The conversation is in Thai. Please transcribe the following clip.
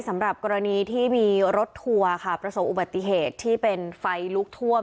สำหรับกรณีที่มีรถทัวร์ค่ะประสบอุบัติเหตุที่เป็นไฟลุกท่วม